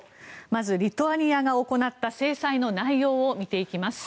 まずリトアニアが行った制裁の内容を見ていきます。